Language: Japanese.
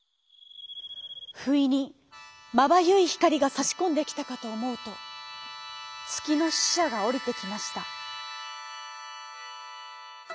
ふいにまばゆいひかりがさしこんできたかとおもうとつきのししゃがおりてきました。